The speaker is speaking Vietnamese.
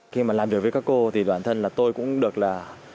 khi mà làm việc với các cô thì bản thân là tôi cũng được là